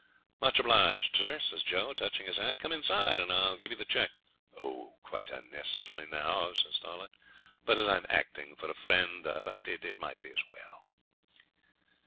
'Much obliged, sir,' says Joe, touching his hat. 'Come inside and I'll give you the cheque.' 'Quite unnecessary now,' says Starlight; 'but as I'm acting for a friend, it may be as well.'